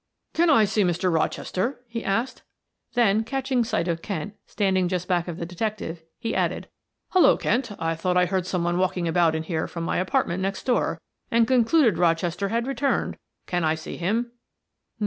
"Can I see Mr. Rochester?" he asked, then catching sight of Kent standing just back of the detective, he added, "Hello, Kent; I thought I heard some one walking about in here from my apartment next door, and concluded Rochester had returned. Can I see him?"